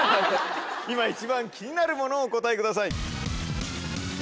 今一番気になるものをお答えください。